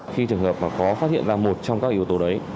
khi trường hợp mà có phát hiện ra một trong các yếu tố đấy